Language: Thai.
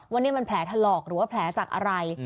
ว่านี่มันแผลถลอกหรือว่าแผลจากอะไร